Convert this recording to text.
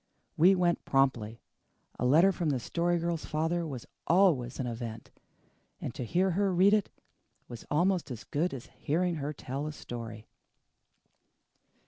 We went promptly. A letter from the Story Girl's father was always an event; and to hear her read it was almost as good as hearing her tell a story.